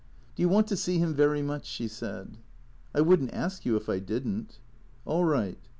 " Do you want to see him very much ?" she said. " I would n't ask you if I did n't." " All right.